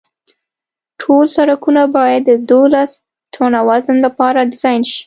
ټول سرکونه باید د دولس ټنه وزن لپاره ډیزاین شي